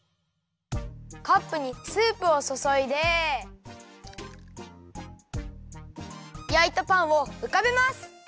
カップにスープをそそいでやいたパンをうかべます。